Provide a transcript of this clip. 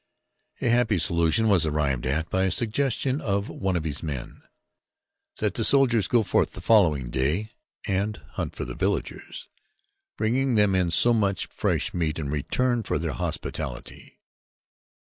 A happy solution was arrived at by a suggestion of one of his men that the soldiers go forth the following day and hunt for the villagers, bringing them in so much fresh meat in return for their hospitality.